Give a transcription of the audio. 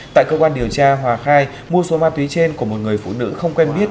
tại cơ quan điều tra hòa khai mua số ma túy trên của một người phụ nữ không quen biết